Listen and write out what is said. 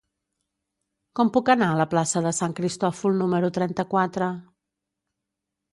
Com puc anar a la plaça de Sant Cristòfol número trenta-quatre?